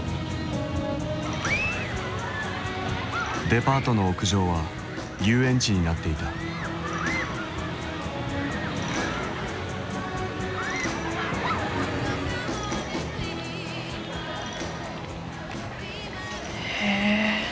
デパートの屋上は遊園地になっていたへえ